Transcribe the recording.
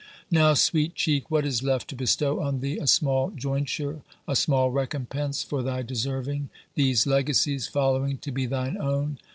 Now, Sweet cheek, what is left to bestow on thee, a small joynture, a small recompense for thy deservinge, these legacies followinge to be thine owne.